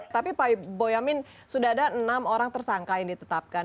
tapi pak boyamin sudah ada enam orang tersangka yang ditetapkan